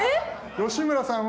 ⁉吉村さんは投資。